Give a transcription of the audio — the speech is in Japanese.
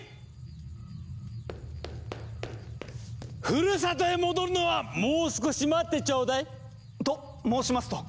ふるさとへ戻るのはもう少し待ってちょうだい！と申しますと？